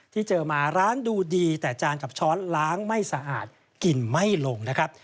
ที่เจอมาร้านดูดีแต่จานกับช้อนล้างไม่สะอาดกินไม่ลงนะครับ